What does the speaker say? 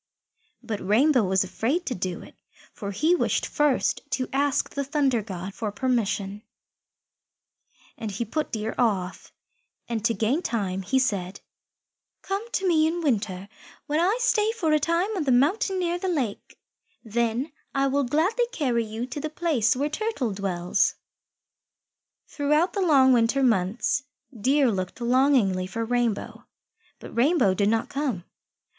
But Rainbow was afraid to do it, for he wished first to ask the Thunder God for permission, and he put Deer off, and to gain time he said, "Come to me in winter, when I stay for a time on the mountain near the lake. Then I will gladly carry you to the place where Turtle dwells." [Illustration: THROUGHOUT THE LONG WINTER MONTHS DEER LOOKED LONGINGLY FOR RAINBOW] Throughout the long winter months Deer looked longingly for Rainbow, but Rainbow did not come.